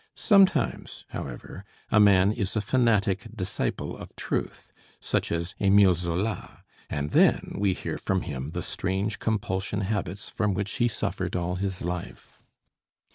Sometimes, however, a man is a fanatic disciple of truth, such as Emile Zola, and then we hear from him the strange compulsion habits from which he suffered all his life.